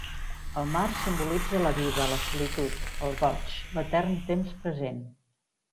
El mar simbolitza la vida, la solitud, el goig, l'etern temps present.